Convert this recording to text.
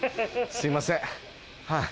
すいません。